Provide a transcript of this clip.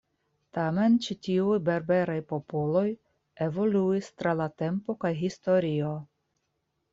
Tamen ĉi tiuj berberaj popoloj evoluis tra la tempo kaj historio.